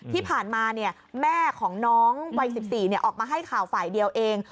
ที่ผ่านมาเนี่ยแม่ของน้องวัยสิบสี่เนี่ยออกมาให้ข่าวฝ่ายเดียวเอง